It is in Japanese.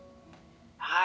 はい。